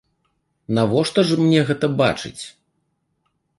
Навошта ж мне гэта бачыць?